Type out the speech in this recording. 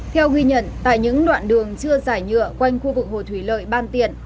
theo ghi nhận tại những đoạn đường chưa giải nhựa quanh khu vực hồ thủy lợi ban tiện